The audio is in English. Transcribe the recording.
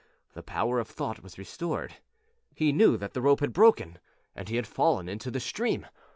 The power of thought was restored; he knew that the rope had broken and he had fallen into the stream.